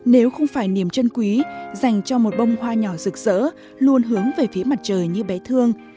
nếu không phải niềm chân quý dành cho một bông hoa nhỏ rực rỡ luôn hướng về phía mặt trời như bé thương